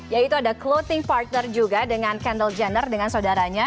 yaitu ada clothing partner juga dengan canle genner dengan saudaranya